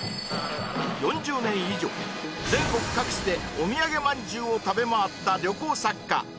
４０年以上全国各地でおみやげ饅頭を食べ回った旅行作家